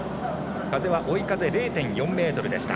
風は追い風０．４メートルでした。